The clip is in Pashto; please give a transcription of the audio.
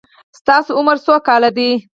ستاسو عمر څو کاله دی؟